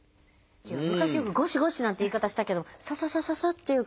昔よくゴシゴシなんて言い方したけどサササササっていう感じの。